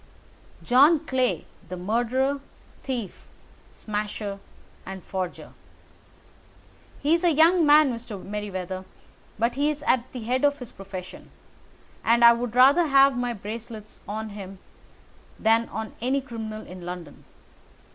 "John Clay, the murderer, thief, smasher, and forger. He's a young man, Mr. Merryweather, but he is at the head of his profession, and I would rather have my bracelets on him than on any criminal in London.